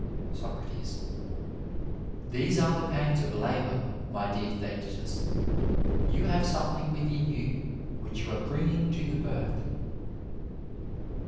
8oc, These are the pangs of labour, my dear Thesetetus ; yoa have something within you which you are bringing to the birth.